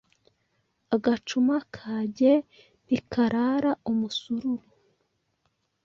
Agacuma kajye ntikarara umusururu